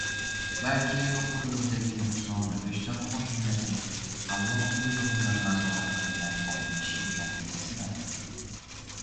Balki quriliivdagi nuqson vijdon hokimiyatining Alloh buyrug'i bilan nazorat qilinmay qolishi natijasidir?